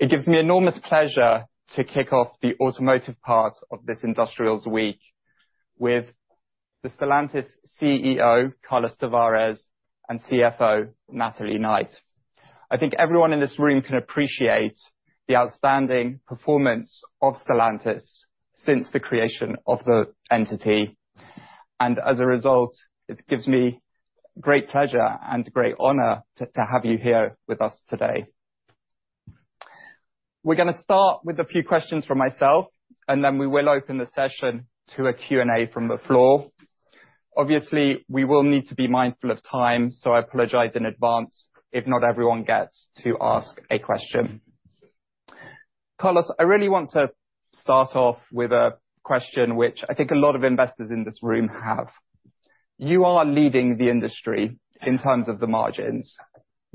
Great. It gives me enormous pleasure to kick off the automotive part of this industrials week with the Stellantis CEO, Carlos Tavares, and CFO, Natalie Knight. I think everyone in this room can appreciate the outstanding performance of Stellantis since the creation of the entity, and as a result, it gives me great pleasure and great honor to have you here with us today. We're gonna start with a few questions from myself, and then we will open the session to a Q&A from the floor. Obviously, we will need to be mindful of time, so I apologize in advance if not everyone gets to ask a question. Carlos, I really want to start off with a question which I think a lot of investors in this room have. You are leading the industry in terms of the margins.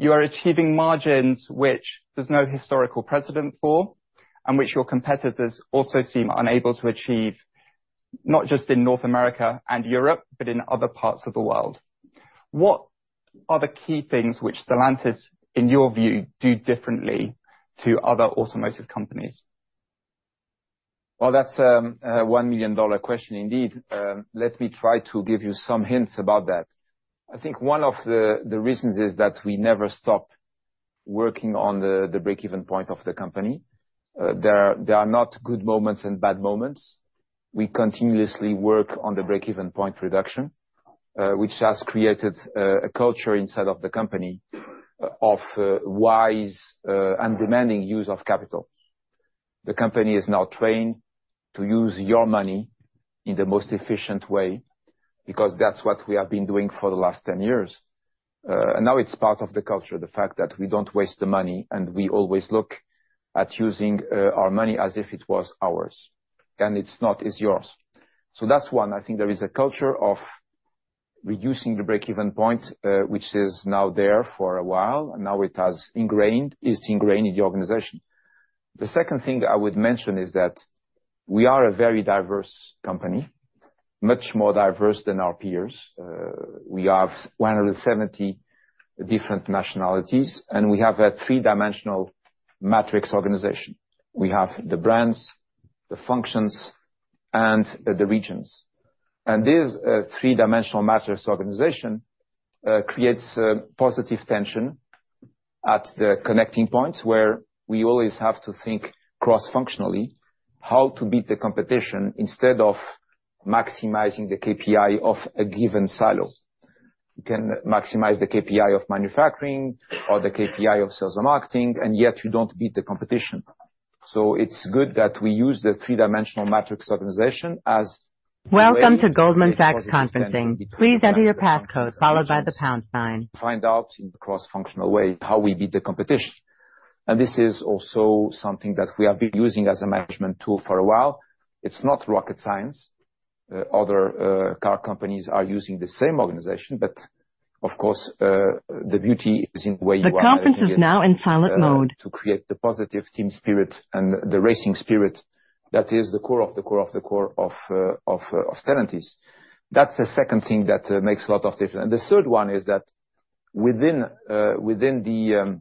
You are achieving margins which there's no historical precedent for, and which your competitors also seem unable to achieve, not just in North America and Europe, but in other parts of the world. What are the key things which Stellantis, in your view, do differently to other automotive companies? Well, that's a $1 million question indeed. Let me try to give you some hints about that. I think one of the reasons is that we never stop working on the break-even point of the company. There are not good moments and bad moments. We continuously work on the break-even point reduction, which has created a culture inside of the company of wise and demanding use of capital. The company is now trained to use your money in the most efficient way, because that's what we have been doing for the last 10 years. And now it's part of the culture, the fact that we don't waste the money, and we always look at using our money as if it was ours. And it's not, it's yours. So that's one. I think there is a culture of reducing the break-even point, which is now there for a while, and now it's ingrained in the organization. The second thing I would mention is that we are a very diverse company, much more diverse than our peers. We have 170 different nationalities, and we have a three-dimensional matrix organization. We have the brands, the functions, and the regions. And this three-dimensional matrix organization creates a positive tension at the connecting points, where we always have to think cross-functionally, how to beat the competition, instead of maximizing the KPI of a given silo. You can maximize the KPI of manufacturing or the KPI of sales and marketing, and yet you don't beat the competition. So it's good that we use the three-dimensional matrix organization as-Find out in cross-functional way, how we beat the competition. This is also something that we have been using as a management tool for a while. It's not rocket science. Other car companies are using the same organization, but of course, the beauty is in the way you are- To create the positive team spirit and the racing spirit, that is the core of the core of the core of Stellantis. That's the second thing that makes a lot of difference. The third one is that within the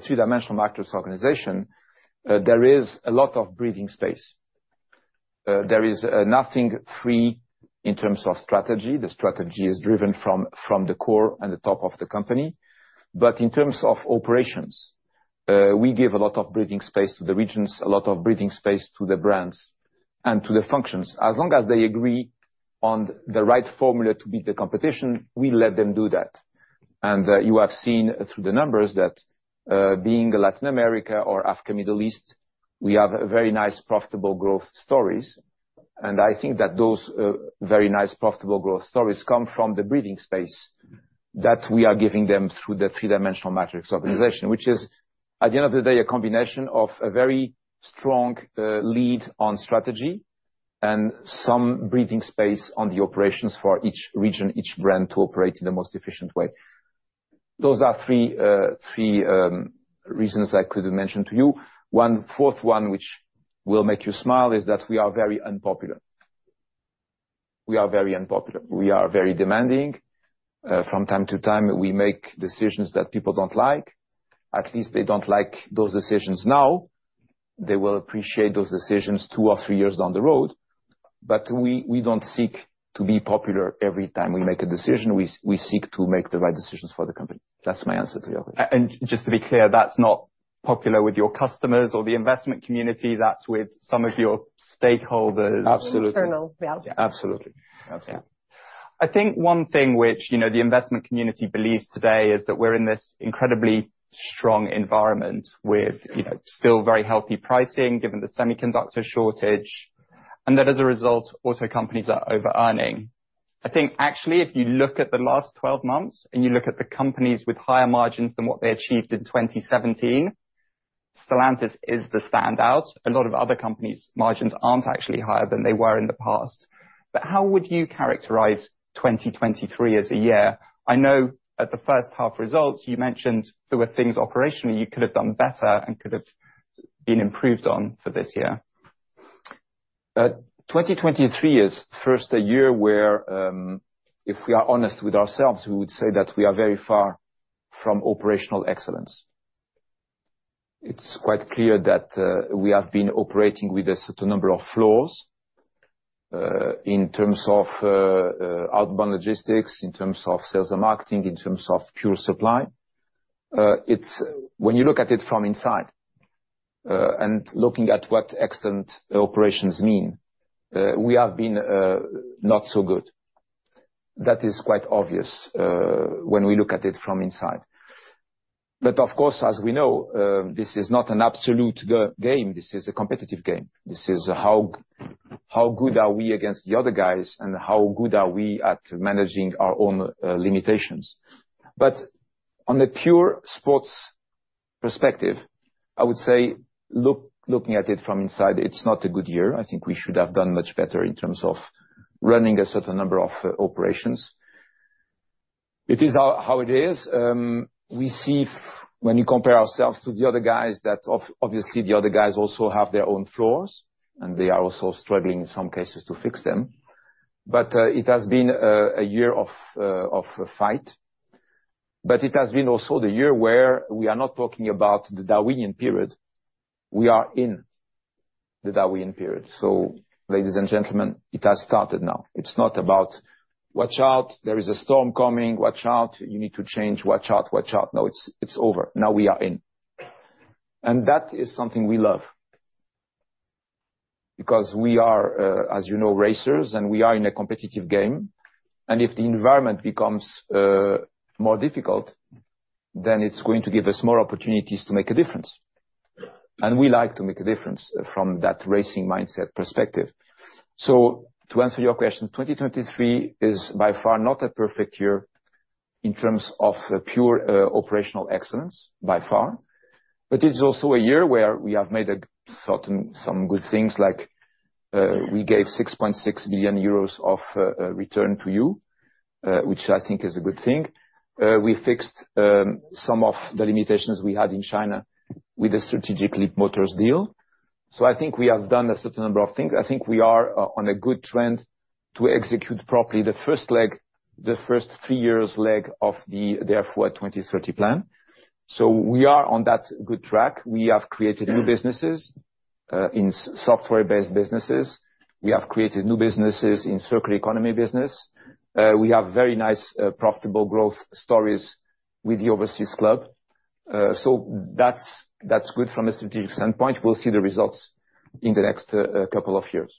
three-dimensional matrix organization, there is a lot of breathing space. There is nothing free in terms of strategy. The strategy is driven from the core and the top of the company. But in terms of operations, we give a lot of breathing space to the regions, a lot of breathing space to the brands and to the functions. As long as they agree on the right formula to beat the competition, we let them do that. You have seen through the numbers that, being Latin America or Africa, Middle East, we have very nice, profitable growth stories. And I think that those, very nice, profitable growth stories come from the breathing space that we are giving them through the three-dimensional matrix organization, which is, at the end of the day, a combination of a very strong, lead on strategy and some breathing space on the operations for each region, each brand, to operate in the most efficient way. Those are three, three, reasons I could mention to you. One-fourth one, which will make you smile, is that we are very unpopular. We are very unpopular. We are very demanding. From time to time, we make decisions that people don't like. At least they don't like those decisions now. They will appreciate those decisions two or three years down the road. But we, we don't seek to be popular every time we make a decision. We, we seek to make the right decisions for the company. That's my answer to you. Just to be clear, that's not popular with your customers or the investment community, that's with some of your stakeholders? Absolutely. Internal, yeah. Absolutely. Absolutely. I think one thing which, you know, the investment community believes today, is that we're in this incredibly strong environment with, you know, still very healthy pricing, given the semiconductor shortage, and that as a result, auto companies are over-earning. I think actually, if you look at the last 12 months, and you look at the companies with higher margins than what they achieved in 2017, Stellantis is the standout. A lot of other companies' margins aren't actually higher than they were in the past. But how would you characterize 2023 as a year? I know at the first half results, you mentioned there were things operationally you could have done better and could have been improved on for this year.... 2023 is first a year where, if we are honest with ourselves, we would say that we are very far from operational excellence. It's quite clear that we have been operating with a certain number of flaws, in terms of outbound logistics, in terms of sales and marketing, in terms of pure supply. It's when you look at it from inside, and looking at what excellent operations mean, we have been not so good. That is quite obvious when we look at it from inside. But of course, as we know, this is not an absolute game, this is a competitive game. This is how good are we against the other guys, and how good are we at managing our own limitations? But on the pure sports perspective, I would say, look, looking at it from inside, it's not a good year. I think we should have done much better in terms of running a certain number of operations. It is how it is. We see, when you compare ourselves to the other guys, that obviously, the other guys also have their own flaws, and they are also struggling in some cases to fix them. But it has been a year of fight. But it has been also the year where we are not talking about the Darwinian period, we are in the Darwinian period. So ladies and gentlemen, it has started now. It's not about: Watch out, there is a storm coming! Watch out, you need to change. Watch out, watch out. No, it's over. Now, we are in. That is something we love, because we are, as you know, racers, and we are in a competitive game, and if the environment becomes more difficult, then it's going to give us more opportunities to make a difference. And we like to make a difference from that racing mindset perspective. So to answer your question, 2023 is by far not a perfect year in terms of pure operational excellence, by far, but it's also a year where we have made a certain, some good things, like, we gave 6.6 billion euros of return to you, which I think is a good thing. We fixed some of the limitations we had in China with the strategic Leapmotor deal. So I think we have done a certain number of things. I think we are on a good trend to execute properly the first leg, the first three years leg of the Dare Forward 2030 plan. So we are on that good track. We have created new businesses in software-based businesses. We have created new businesses in circular economy business. We have very nice profitable growth stories with the overseas club. So that's good from a strategic standpoint. We'll see the results in the next couple of years.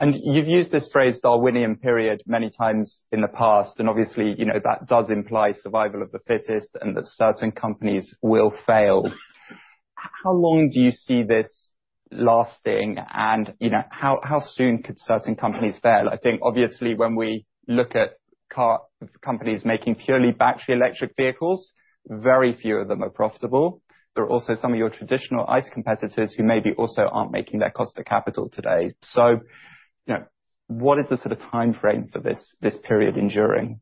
You've used this phrase Darwinian period many times in the past, and obviously, you know, that does imply survival of the fittest and that certain companies will fail. How long do you see this lasting? You know, how soon could certain companies fail? I think obviously, when we look at car companies making purely battery electric vehicles, very few of them are profitable. There are also some of your traditional ICE competitors who maybe also aren't making their cost of capital today. You know, what is the sort of timeframe for this period enduring?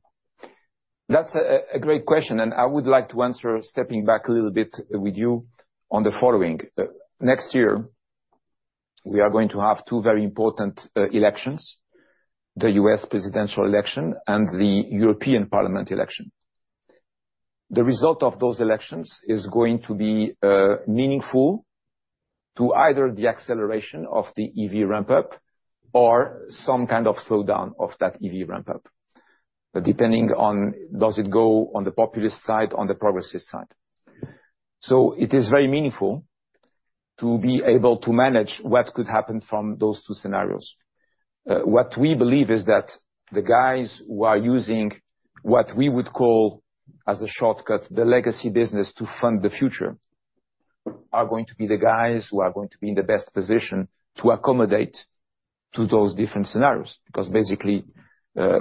That's a great question, and I would like to answer, stepping back a little bit with you, on the following. Next year, we are going to have two very important elections, the U.S. presidential election and the European Parliament election. The result of those elections is going to be meaningful to either the acceleration of the EV ramp up or some kind of slowdown of that EV ramp up, but depending on, does it go on the populist side, on the progressive side? So it is very meaningful to be able to manage what could happen from those two scenarios. What we believe is that the guys who are using what we would call, as a shortcut, the legacy business to fund the future, are going to be the guys who are going to be in the best position to accommodate to those different scenarios, because basically,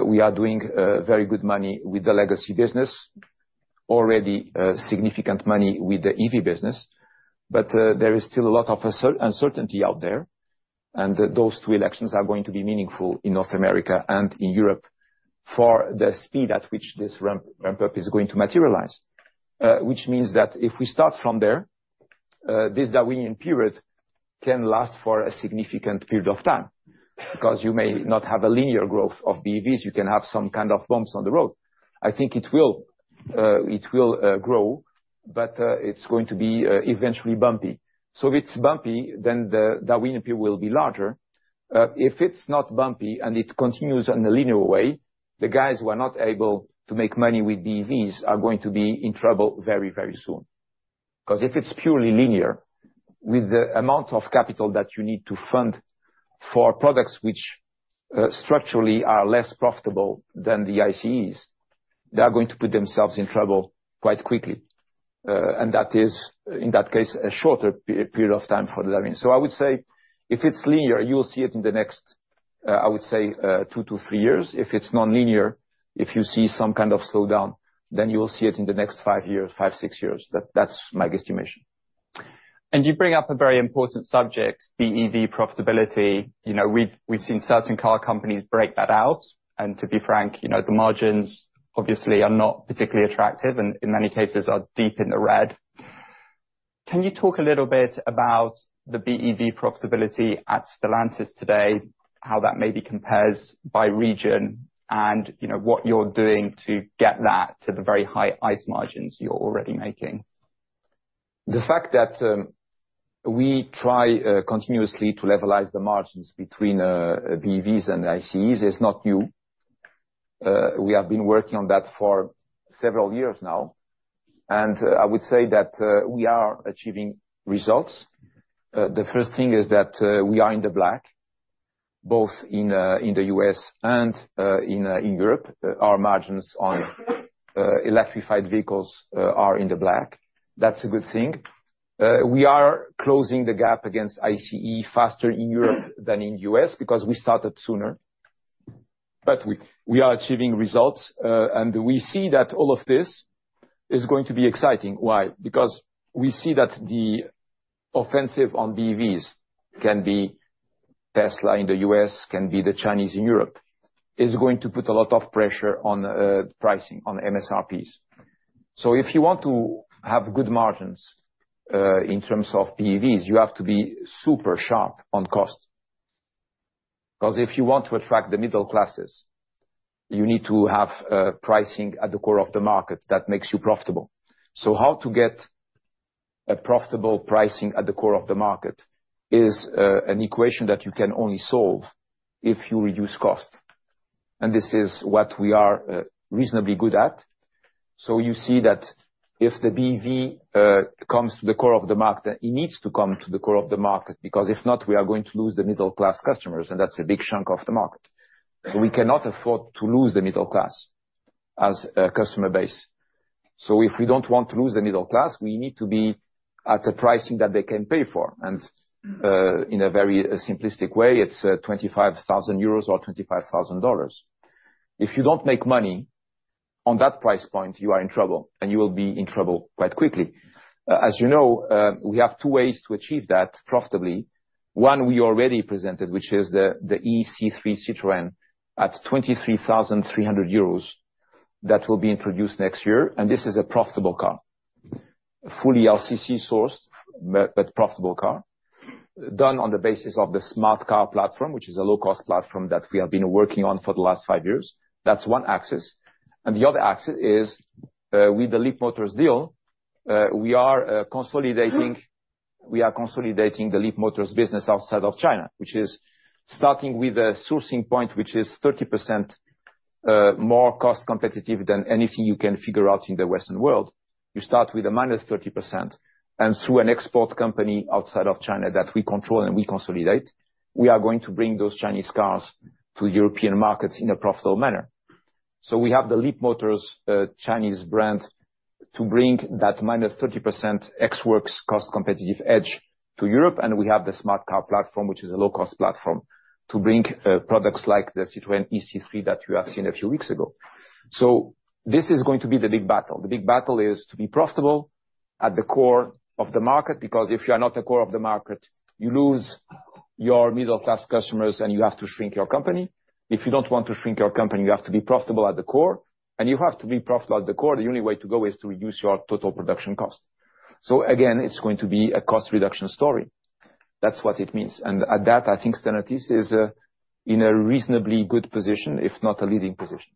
we are doing very good money with the legacy business. Already, significant money with the EV business, but there is still a lot of uncertainty out there, and those two elections are going to be meaningful in North America and in Europe for the speed at which this ramp up is going to materialize. Which means that if we start from there, this Darwinian period can last for a significant period of time, because you may not have a linear growth of BEVs, you can have some kind of bumps on the road. I think it will grow, but it's going to be eventually bumpy. So if it's bumpy, then the Darwinian period will be larger. If it's not bumpy and it continues in a linear way, the guys who are not able to make money with BEVs are going to be in trouble very, very soon. 'Cause if it's purely linear, with the amount of capital that you need to fund for products which structurally are less profitable than the ICEs, they are going to put themselves in trouble quite quickly. And that is, in that case, a shorter period of time for the learning. So I would say if it's linear, you will see it in the next, I would say, two to three years. If it's non-linear, if you see some kind of slowdown, then you will see it in the next five years, five six, years. That's my guesstimation. You bring up a very important subject, BEV profitability. You know, we've seen certain car companies break that out, and to be frank, you know, the margins obviously are not particularly attractive, and in many cases are deep in the red. Can you talk a little bit about the BEV profitability at Stellantis today, how that maybe compares by region, and, you know, what you're doing to get that to the very high ICE margins you're already making? The fact that we try continuously to levelize the margins between BEVs and ICEs is not new. We have been working on that for several years now, and I would say that we are achieving results. The first thing is that we are in the black, both in the U.S. and in Europe. Our margins on electrified vehicles are in the black. That's a good thing. We are closing the gap against ICE faster in Europe than in U.S., because we started sooner. But we are achieving results, and we see that all of this is going to be exciting. Why? Because we see that the offensive on BEVs, can be Tesla in the U.S., can be the Chinese in Europe, is going to put a lot of pressure on, pricing, on MSRPs. So if you want to have good margins, in terms of BEVs, you have to be super sharp on cost. 'Cause if you want to attract the middle classes, you need to have, pricing at the core of the market that makes you profitable. So how to get a profitable pricing at the core of the market is, an equation that you can only solve if you reduce cost, and this is what we are, reasonably good at. So you see that if the BEV comes to the core of the market, it needs to come to the core of the market, because if not, we are going to lose the middle-class customers, and that's a big chunk of the market. So we cannot afford to lose the middle class as a customer base. So if we don't want to lose the middle class, we need to be at a pricing that they can pay for, and in a very simplistic way, it's 25,000 euros or $25,000. If you don't make money on that price point, you are in trouble, and you will be in trouble quite quickly. As you know, we have two ways to achieve that profitably. One, we already presented, which is the Citroën ë-C3 at 23,300 euros. That will be introduced next year, and this is a profitable car. Fully LCC sourced, but, but profitable car. Done on the basis of the Smart Car Platform, which is a low-cost platform that we have been working on for the last five years. That's one axis, and the other axis is, with the Leapmotor deal, we are consolidating, we are consolidating the Leapmotor business outside of China, which is starting with a sourcing point, which is 30% more cost competitive than anything you can figure out in the Western world. You start with a -30%, and through an export company outside of China that we control and we consolidate, we are going to bring those Chinese cars to European markets in a profitable manner. So we have the Leapmotor, Chinese brand, to bring that -30% ex works cost competitive edge to Europe, and we have the Smart Car Platform, which is a low-cost platform, to bring, products like the Citroën ë-C3 that you have seen a few weeks ago. So this is going to be the big battle. The big battle is to be profitable at the core of the market, because if you are not the core of the market, you lose your middle-class customers, and you have to shrink your company. If you don't want to shrink your company, you have to be profitable at the core, and if you have to be profitable at the core, the only way to go is to reduce your total production cost. So again, it's going to be a cost reduction story. That's what it means. At that, I think Stellantis is in a reasonably good position, if not a leading position.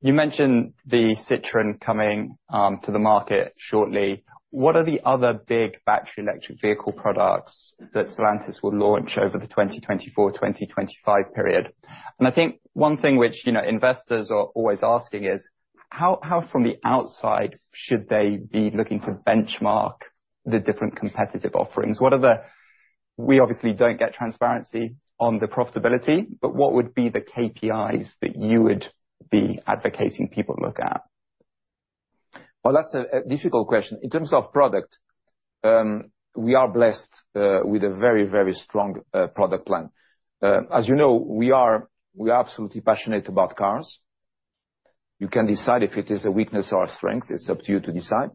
You mentioned the Citroën coming to the market shortly. What are the other big battery electric vehicle products that Stellantis will launch over the 2024-2025 period? And I think one thing which, you know, investors are always asking is: How, how from the outside should they be looking to benchmark the different competitive offerings? What are the... We obviously don't get transparency on the profitability, but what would be the KPIs that you would be advocating people look at? Well, that's a difficult question. In terms of product, we are blessed with a very, very strong product plan. As you know, we are absolutely passionate about cars. You can decide if it is a weakness or a strength, it's up to you to decide.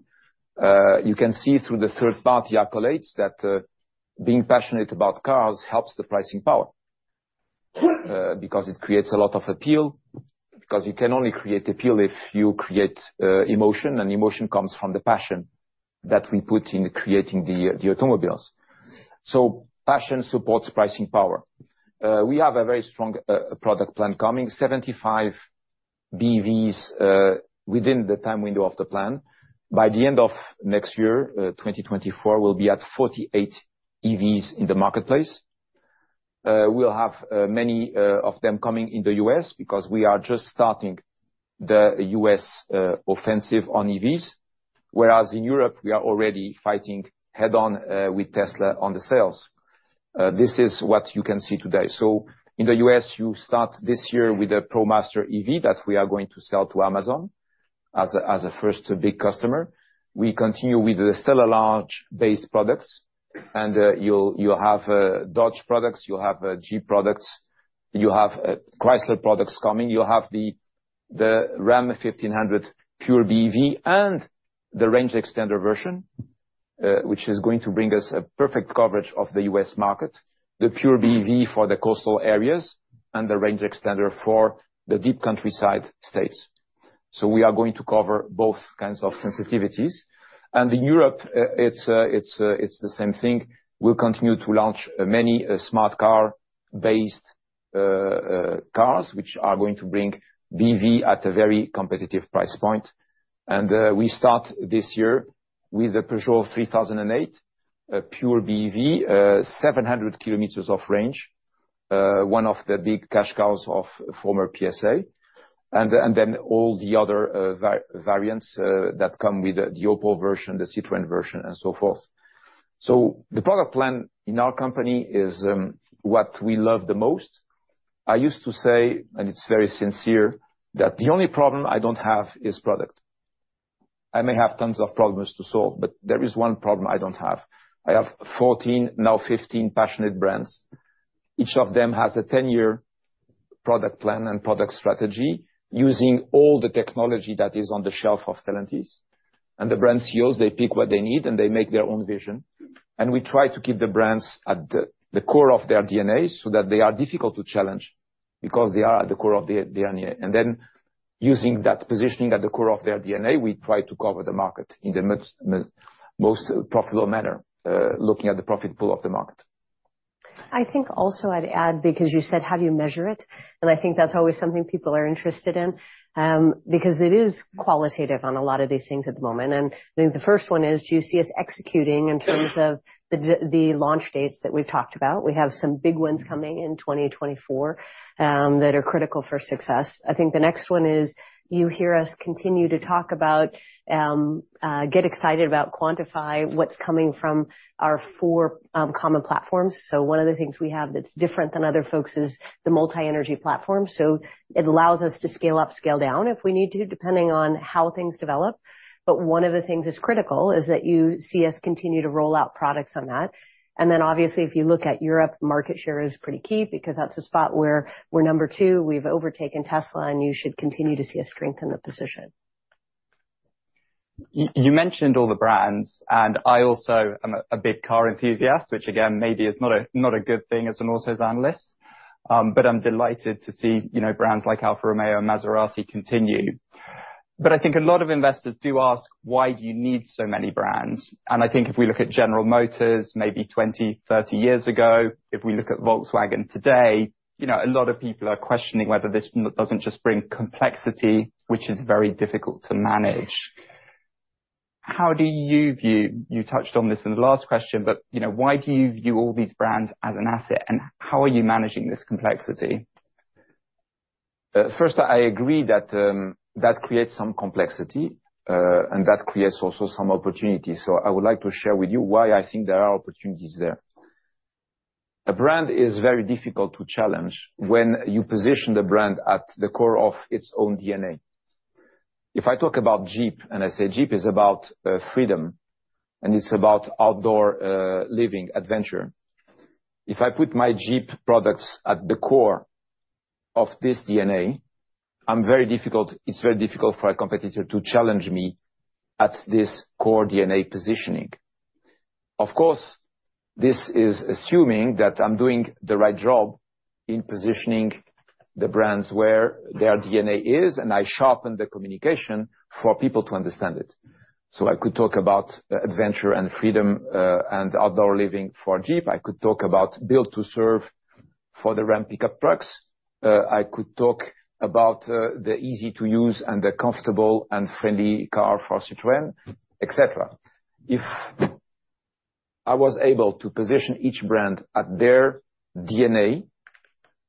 You can see through the third party accolades, that being passionate about cars helps the pricing power, because it creates a lot of appeal. Because you can only create appeal if you create emotion, and emotion comes from the passion that we put in creating the automobiles. So passion supports pricing power. We have a very strong product plan coming. 75 BEVs within the time window of the plan. By the end of next year, 2024, we'll be at 48 EVs in the marketplace. We'll have many of them coming in the U.S., because we are just starting the U.S. offensive on EVs, whereas in Europe, we are already fighting head-on with Tesla on the sales. This is what you can see today. So in the U.S., you start this year with a ProMaster EV that we are going to sell to Amazon as a first big customer. We continue with the STLA Large base products, and you'll have Dodge products, you'll have Jeep products, you have Chrysler products coming. You'll have the Ram 1500 pure BEV and the range extender version, which is going to bring us a perfect coverage of the U.S. market. The pure BEV for the coastal areas and the range extender for the deep countryside states. So we are going to cover both kinds of sensitivities. Europe, it's the same thing. We'll continue to launch many Smart Car-based cars, which are going to bring BEV at a very competitive price point. And we start this year with the Peugeot 3008, a pure BEV, 700 kilometers of range, one of the big cash cows of former PSA, and then all the other variants that come with the Opel version, the Citroën version, and so forth. So the product plan in our company is what we love the most. I used to say, and it's very sincere, that the only problem I don't have is product. I may have tons of problems to solve, but there is one problem I don't have. I have 14, now 15, passionate brands. Each of them has a 10-year product plan and product strategy using all the technology that is on the shelf of Stellantis. The brand CEOs, they pick what they need, and they make their own vision. We try to keep the brands at the core of their DNA so that they are difficult to challenge, because they are at the core of their DNA. Then using that positioning at the core of their DNA, we try to cover the market in the most profitable manner, looking at the profit pool of the market. I think also I'd add, because you said, "How do you measure it?" I think that's always something people are interested in, because it is qualitative on a lot of these things at the moment. I think the first one is, do you see us executing in terms of the launch dates that we've talked about? We have some big ones coming in 2024, that are critical for success. I think the next one is, you hear us continue to talk about, get excited about, quantify what's coming from our four common platforms. So one of the things we have that's different than other folks is the Multi-energy Platform, so it allows us to scale up, scale down if we need to, depending on how things develop. But one of the things that's critical is that you see us continue to roll out products on that. And then obviously, if you look at Europe, market share is pretty key because that's a spot where we're number two, we've overtaken Tesla, and you should continue to see us strengthen the position. You mentioned all the brands, and I also am a big car enthusiast, which, again, maybe is not a good thing as an autos analyst. But I'm delighted to see, you know, brands like Alfa Romeo and Maserati continue. But I think a lot of investors do ask: Why do you need so many brands? And I think if we look at General Motors, maybe 20, 30 years ago, if we look at Volkswagen today, you know, a lot of people are questioning whether this doesn't just bring complexity, which is very difficult to manage. How do you view... You touched on this in the last question, but, you know, why do you view all these brands as an asset, and how are you managing this complexity? First, I agree that that creates some complexity, and that creates also some opportunities. So I would like to share with you why I think there are opportunities there. A brand is very difficult to challenge when you position the brand at the core of its own DNA. If I talk about Jeep, and I say Jeep is about freedom, and it's about outdoor living, adventure. If I put my Jeep products at the core of this DNA, I'm very difficult. It's very difficult for a competitor to challenge me at this core DNA positioning. Of course, this is assuming that I'm doing the right job in positioning the brands where their DNA is, and I sharpen the communication for people to understand it. So I could talk about adventure and freedom, and outdoor living for Jeep. I could talk about build to serve for the Ram pickup trucks. I could talk about the easy-to-use and the comfortable and friendly car for Citroën, et cetera. If I was able to position each brand at their DNA,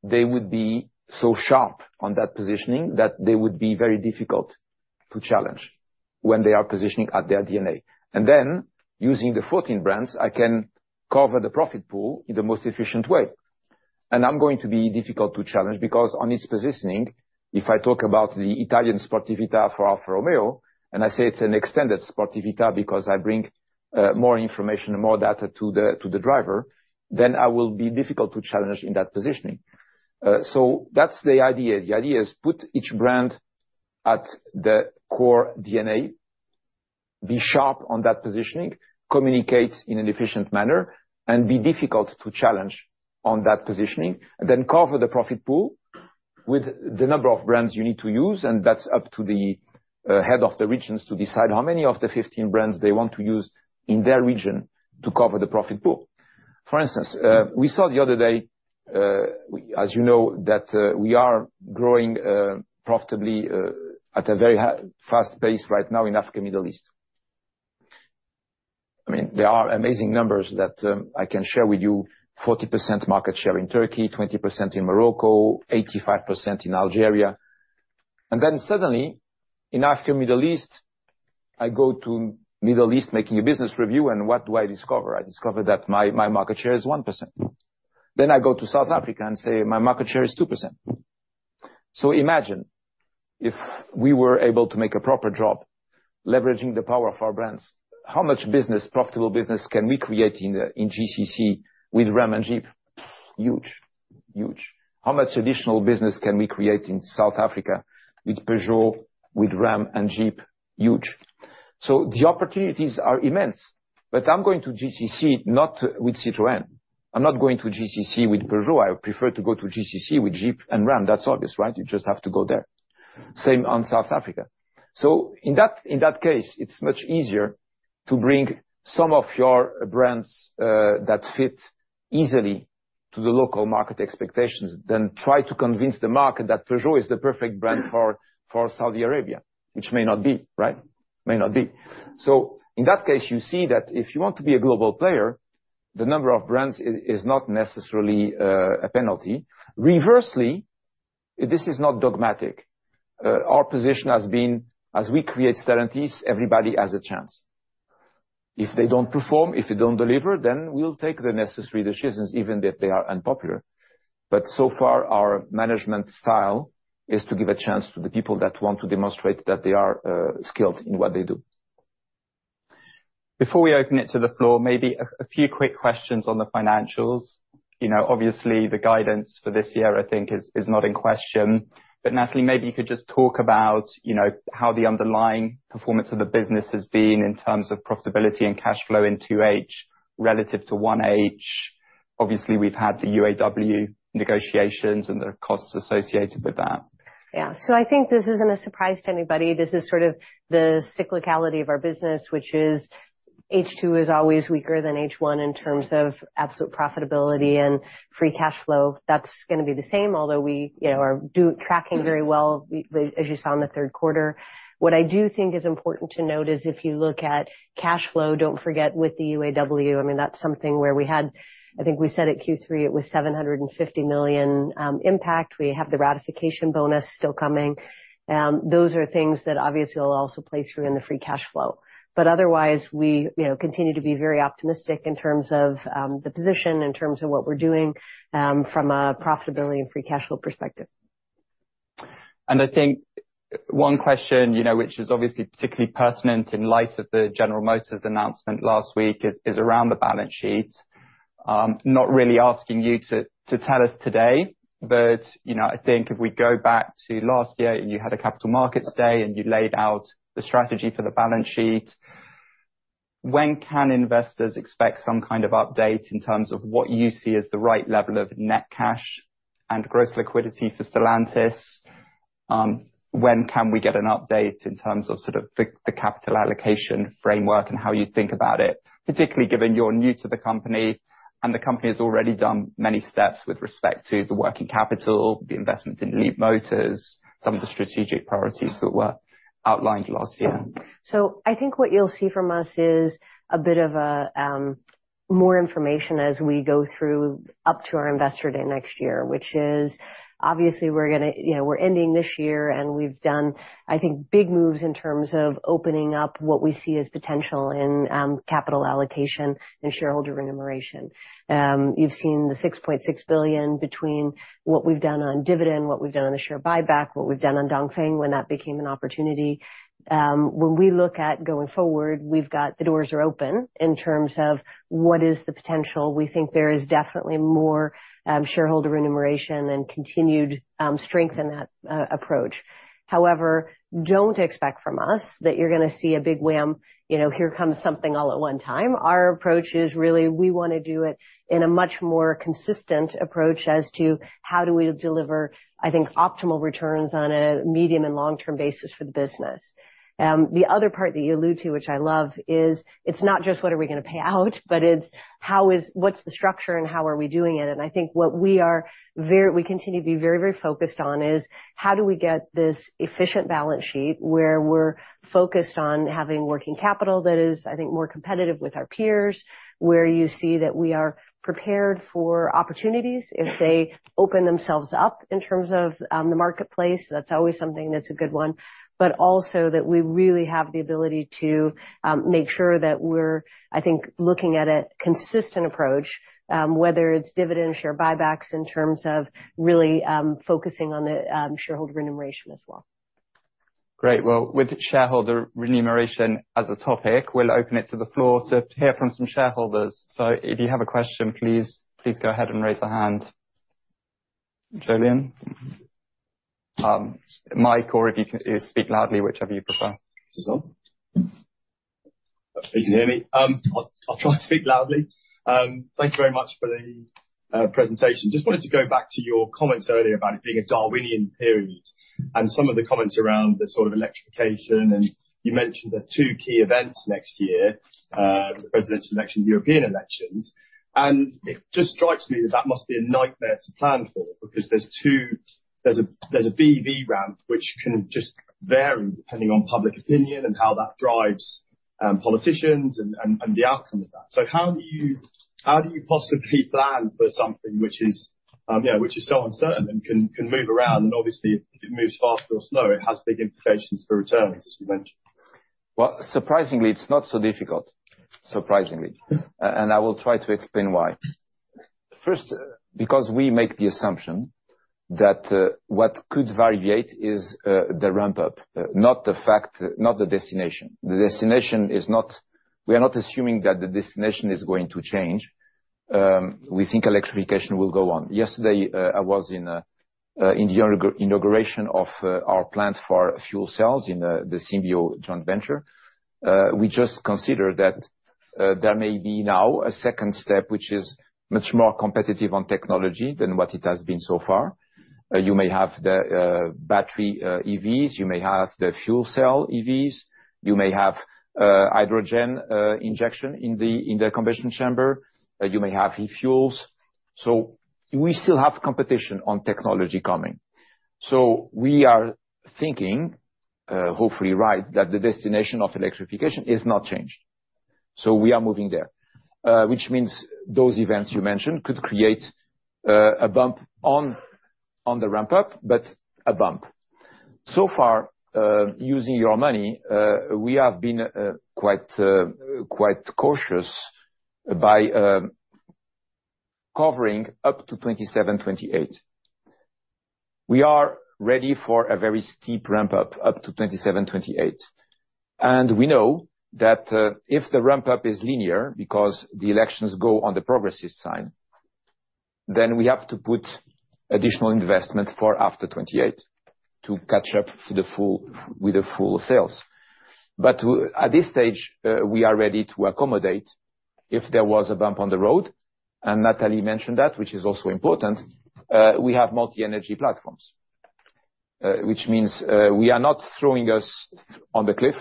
they would be so sharp on that positioning, that they would be very difficult to challenge when they are positioning at their DNA. And then, using the 14 brands, I can cover the profit pool in the most efficient way. And I'm going to be difficult to challenge, because on its positioning, if I talk about the Italian sportività for Alfa Romeo, and I say it's an extended sportività because I bring more information and more data to the driver, then I will be difficult to challenge in that positioning. So that's the idea. The idea is put each brand at the core DNA, be sharp on that positioning, communicate in an efficient manner, and be difficult to challenge on that positioning. Then cover the profit pool with the number of brands you need to use, and that's up to the head of the regions to decide how many of the 15 brands they want to use in their region to cover the profit pool. For instance, we saw the other day, we, as you know, that we are growing profitably at a very fast pace right now in Africa, Middle East. I mean, there are amazing numbers that I can share with you. 40% market share in Turkey, 20% in Morocco, 85% in Algeria. And then suddenly, in Africa, Middle East, I go to Middle East, making a business review, and what do I discover? I discover that my, my market share is 1%. Then I go to South Africa and say my market share is 2%. So imagine if we were able to make a proper job leveraging the power of our brands, how much business, profitable business, can we create in, in GCC with Ram and Jeep? Huge, huge. How much additional business can we create in South Africa with Peugeot, with Ram and Jeep? Huge.... So the opportunities are immense, but I'm going to GCC, not with Citroën. I'm not going to GCC with Peugeot. I would prefer to go to GCC with Jeep and Ram. That's obvious, right? You just have to go there. Same on South Africa. So in that, in that case, it's much easier to bring some of your brands that fit easily to the local market expectations than try to convince the market that Peugeot is the perfect brand for, for Saudi Arabia, which may not be, right? May not be. So in that case, you see that if you want to be a global player, the number of brands is, is not necessarily a penalty. Conversely, this is not dogmatic. Our position has been, as we create guarantees, everybody has a chance. If they don't perform, if they don't deliver, then we'll take the necessary decisions, even if they are unpopular. But so far, our management style is to give a chance to the people that want to demonstrate that they are skilled in what they do. Before we open it to the floor, maybe a few quick questions on the financials. You know, obviously, the guidance for this year, I think, is not in question. But Natalie, maybe you could just talk about, you know, how the underlying performance of the business has been in terms of profitability and cash flow in two H relative to one H. Obviously, we've had the UAW negotiations and the costs associated with that. Yeah. So I think this isn't a surprise to anybody. This is sort of the cyclicality of our business, which is H2 is always weaker than H1 in terms of absolute profitability and free cash flow. That's gonna be the same, although we, you know, are tracking very well, as you saw in the third quarter. What I do think is important to note is if you look at cash flow, don't forget with the UAW, I mean, that's something where we had, I think we said at Q3 it was $750 million impact. We have the ratification bonus still coming. Those are things that obviously will also play through in the free cash flow. But otherwise, we, you know, continue to be very optimistic in terms of, the position, in terms of what we're doing, from a profitability and free cash flow perspective. I think one question, you know, which is obviously particularly pertinent in light of the General Motors announcement last week, is around the balance sheet. Not really asking you to tell us today, but, you know, I think if we go back to last year, you had a capital markets day, and you laid out the strategy for the balance sheet. When can investors expect some kind of update in terms of what you see as the right level of net cash and gross liquidity for Stellantis? When can we get an update in terms of sort of the capital allocation framework and how you think about it, particularly given you're new to the company, and the company has already done many steps with respect to the working capital, the investment in Leapmotor, some of the strategic priorities that were outlined last year? I think what you'll see from us is a bit of a more information as we go through up to our investor day next year, which is obviously we're gonna you know, we're ending this year, and we've done, I think, big moves in terms of opening up what we see as potential in capital allocation and shareholder remuneration. You've seen the 6.6 billion between what we've done on dividend, what we've done on the share buyback, what we've done on Dongfeng, when that became an opportunity. When we look at going forward, we've got... The doors are open in terms of what is the potential. We think there is definitely more shareholder remuneration and continued strength in that approach. However, don't expect from us that you're gonna see a big wham, you know, here comes something all at one time. Our approach is really, we wanna do it in a much more consistent approach as to how do we deliver, I think, optimal returns on a medium and long-term basis for the business. The other part that you allude to, which I love, is it's not just what are we gonna pay out, but it's how is, what's the structure and how are we doing it? And I think what we are very-- we continue to be very, very focused on, is how do we get this efficient balance sheet where we're focused on having working capital that is, I think, more competitive with our peers, where you see that we are prepared for opportunities if they open themselves up in terms of, the marketplace. That's always something that's a good one. But also that we really have the ability to make sure that we're, I think, looking at a consistent approach, whether it's dividends, share buybacks, in terms of really focusing on the shareholder remuneration as well. Great. Well, with shareholder remuneration as a topic, we'll open it to the floor to hear from some shareholders. So if you have a question, please, please go ahead and raise your hand. Julian? Mic or if you can speak loudly, whichever you prefer. Hope you can hear me. I'll try to speak loudly. Thank you very much for the presentation. Just wanted to go back to your comments earlier about it being a Darwinian period, and some of the comments around the sort of electrification, and you mentioned there are two key events next year, the presidential election, European elections. And it just strikes me that that must be a nightmare to plan for, because there's a BEV ramp, which can just vary depending on public opinion and how that drives politicians and the outcome of that. So how do you possibly plan for something which is yeah, which is so uncertain and can move around? And obviously, if it moves faster or slower, it has big implications for returns, as you mentioned. Well, surprisingly, it's not so difficult. Surprisingly, and I will try to explain why. First, because we make the assumption that what could vary is the ramp up, not the fact, not the destination. The destination is not... We are not assuming that the destination is going to change, we think electrification will go on. Yesterday, I was in the inauguration of our plans for fuel cells in the Symbio joint venture. We just consider that there may be now a second step, which is much more competitive on technology than what it has been so far. You may have the battery EVs, you may have the fuel cell EVs, you may have hydrogen injection in the combustion chamber, you may have e-fuels. So we still have competition on technology coming. So we are thinking, hopefully right, that the destination of electrification is not changed. So we are moving there. Which means those events you mentioned could create a bump on the ramp up, but a bump. So far, using your money, we have been quite cautious by covering up to 2027, 2028. We are ready for a very steep ramp up to 2027, 2028, and we know that if the ramp up is linear, because the elections go on the progressive side, then we have to put additional investment for after 2028 to catch up to the full with the full sales. But at this stage, we are ready to accommodate if there was a bump on the road, and Natalie mentioned that, which is also important. We have multi-energy platforms, which means we are not throwing us on the cliff.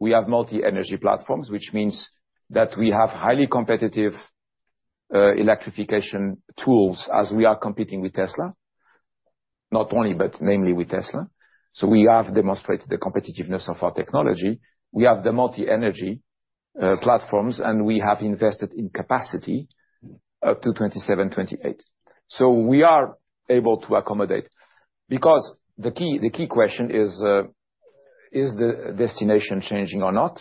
We have multi-energy platforms, which means that we have highly competitive electrification tools as we are competing with Tesla. Not only, but mainly with Tesla. So we have demonstrated the competitiveness of our technology. We have the multi-energy platforms, and we have invested in capacity up to 2027, 2028. So we are able to accommodate, because the key, the key question is, is the destination changing or not?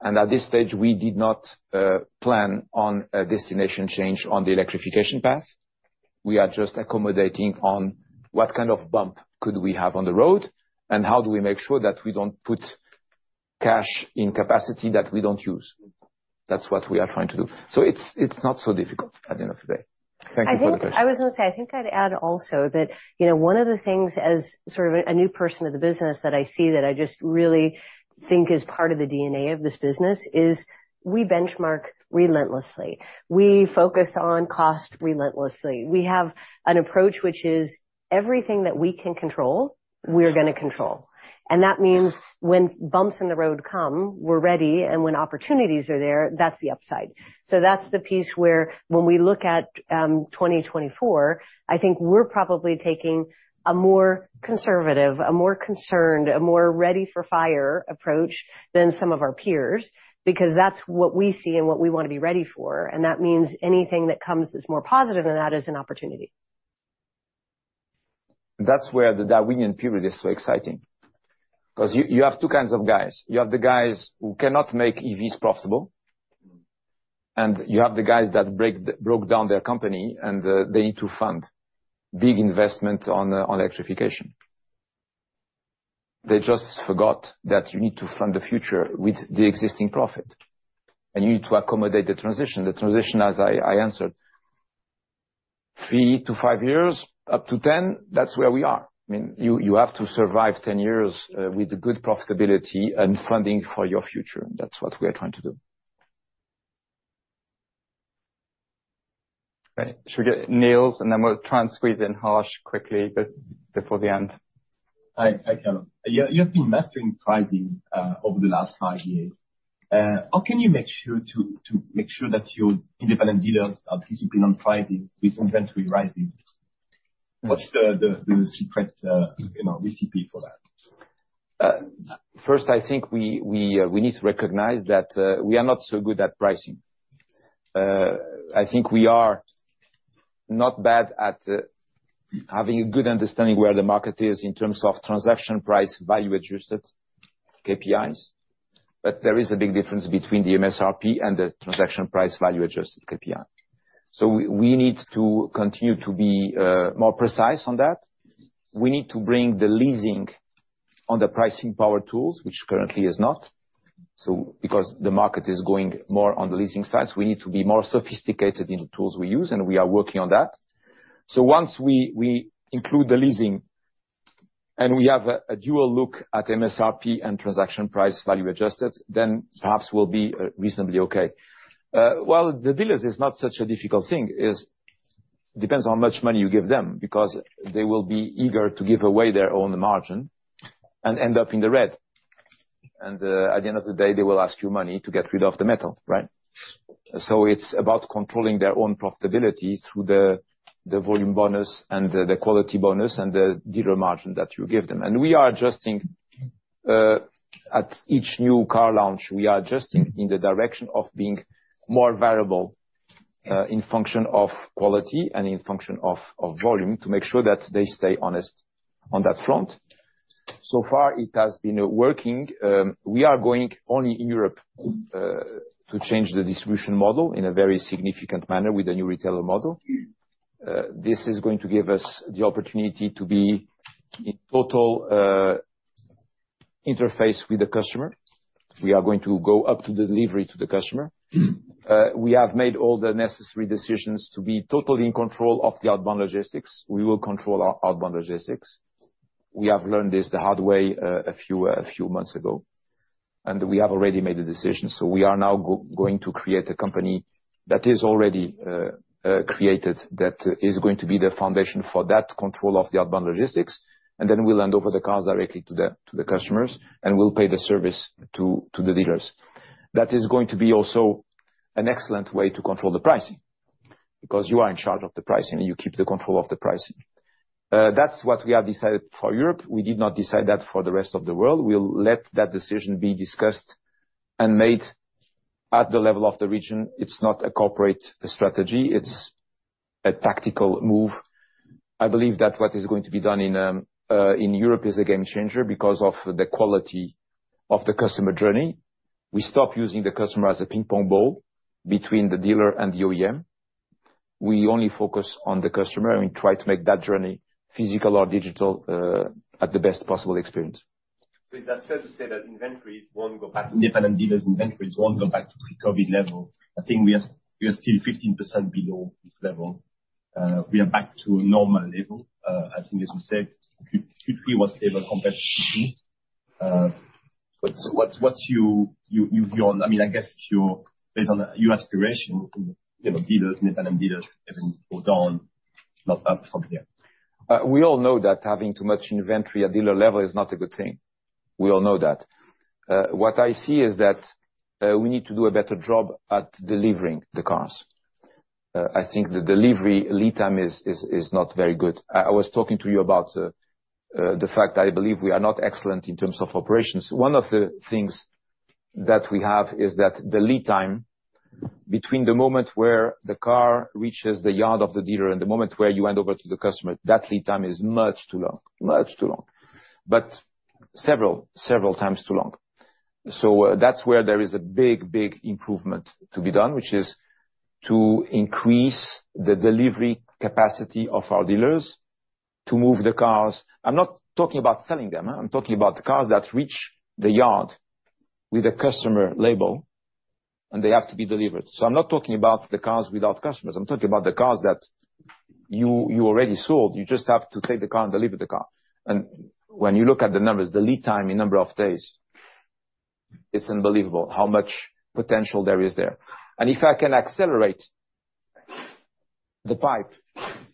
And at this stage, we did not plan on a destination change on the electrification path. We are just accommodating on what kind of bump could we have on the road, and how do we make sure that we don't put cash in capacity that we don't use? That's what we are trying to do. So it's not so difficult at the end of the day. Thank you for the question. I think, I was going to say, I think I'd add also that, you know, one of the things as sort of a, a new person to the business that I see that I just really think is part of the DNA of this business, is we benchmark relentlessly. We focus on cost relentlessly. We have an approach which is, everything that we can control, we're going to control. And that means when bumps in the road come, we're ready, and when opportunities are there, that's the upside. So that's the piece where when we look at, 2024, I think we're probably taking a more conservative, a more concerned, a more ready-for-fire approach than some of our peers, because that's what we see and what we want to be ready for, and that means anything that comes that's more positive than that is an opportunity. That's where the Darwinian period is so exciting. 'Cause you, you have two kinds of guys. You have the guys who cannot make EVs profitable, and you have the guys that broke down their company, and they need to fund big investment on, on electrification. They just forgot that you need to fund the future with the existing profit, and you need to accommodate the transition. The transition, as I, I answered, three to five years, up to 10, that's where we are. I mean, you, you have to survive 10 years, with good profitability and funding for your future, and that's what we are trying to do. Right. Should we get Nils, and then we'll try and squeeze in Harsh quickly, but before the end? Hi. Hi, Carlos. You have been mastering pricing over the last five years. How can you make sure that your independent dealers are disciplined on pricing with inventory rising? What's the secret, you know, recipe for that? First, I think we need to recognize that we are not so good at pricing. I think we are not bad at having a good understanding where the market is in terms of Transaction Price Value-Adjusted KPIs, but there is a big difference between the MSRP and the Transaction Price Value-Adjusted KPI. We need to continue to be more precise on that. We need to bring the leasing on the pricing power tools, which currently is not. Because the market is going more on the leasing sides, we need to be more sophisticated in the tools we use, and we are working on that. Once we include the leasing, and we have a dual look at MSRP and Transaction Price Value-Adjusted, then perhaps we'll be reasonably okay. dealing with the dealers is not such a difficult thing. It depends on how much money you give them, because they will be eager to give away their own margin and end up in the red. And at the end of the day, they will ask you for money to get rid of the metal, right? So it's about controlling their own profitability through the volume bonus and the quality bonus, and the dealer margin that you give them. And we are adjusting at each new car launch. We are adjusting in the direction of being more variable in function of quality and in function of volume, to make sure that they stay honest on that front. So far, it has been working. We are going only in Europe to change the distribution model in a very significant manner with the new retailer model. This is going to give us the opportunity to be in total interface with the customer. We are going to go up to delivery to the customer. We have made all the necessary decisions to be totally in control of the outbound logistics. We will control our outbound logistics. We have learned this the hard way, a few months ago, and we have already made a decision, so we are now going to create a company that is already created, that is going to be the foundation for that control of the outbound logistics. And then we'll hand over the cars directly to the customers, and we'll pay the service to the dealers. That is going to be also an excellent way to control the pricing, because you are in charge of the pricing, and you keep the control of the pricing. That's what we have decided for Europe. We did not decide that for the rest of the world. We'll let that decision be discussed and made at the level of the region. It's not a corporate strategy, it's a tactical move. I believe that what is going to be done in Europe is a game changer because of the quality of the customer journey. We stop using the customer as a ping pong ball between the dealer and the OEM. We only focus on the customer, and we try to make that journey, physical or digital, at the best possible experience. So is that fair to say that inventories won't go back to pre-COVID level? Independent dealers' inventories won't go back to pre-COVID level? I think we are still 15% below this level. We are back to normal level, as you said, 50/50 was stable competition. What's your, I mean, I guess your aspiration, you know, dealers, independent dealers, haven't gone up from here? We all know that having too much inventory at dealer level is not a good thing. We all know that. What I see is that we need to do a better job at delivering the cars. I think the delivery lead time is not very good. I was talking to you about the fact I believe we are not excellent in terms of operations. One of the things that we have is that the lead time between the moment where the car reaches the yard of the dealer and the moment where you hand over to the customer, that lead time is much too long, much too long. But several times too long. So that's where there is a big improvement to be done, which is to increase the delivery capacity of our dealers to move the cars. I'm not talking about selling them. I'm talking about the cars that reach the yard with a customer label, and they have to be delivered. So I'm not talking about the cars without customers. I'm talking about the cars that you, you already sold, you just have to take the car and deliver the car. And when you look at the numbers, the lead time in number of days, it's unbelievable how much potential there is there. And if I can accelerate the pipe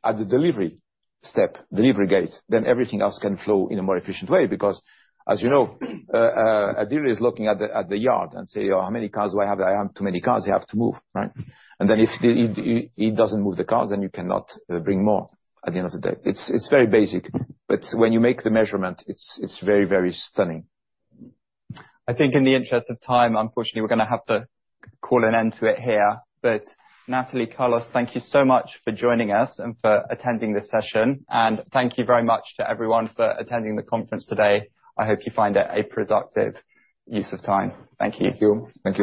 at the delivery step, delivery gate, then everything else can flow in a more efficient way. Because, as you know, a dealer is looking at the, at the yard and say, "Oh, how many cars do I have? I have too many cars," they have to move, right? And then if he doesn't move the cars, then you cannot bring more at the end of the day. It's very basic, but when you make the measurement, it's very, very stunning. I think in the interest of time, unfortunately, we're gonna have to call an end to it here. But Natalie, Carlos, thank you so much for joining us and for attending this session. And thank you very much to everyone for attending the conference today. I hope you find it a productive use of time. Thank you. Thank you.